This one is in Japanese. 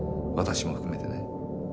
私も含めてね